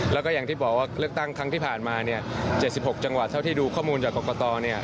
แล้วก็อย่างที่บอกว่าเลือกตั้งครั้งที่ผ่านมาเนี่ย๗๖จังหวัดเท่าที่ดูข้อมูลจากกรกต